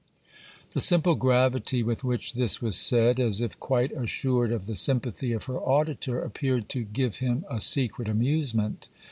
The simple gravity with which this was said, as if quite assured of the sympathy of her auditor, appeared to give him a secret amusement.